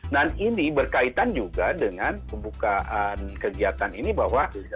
dan ini berkaitan juga dengan pembukaan kegiatan ini bahwa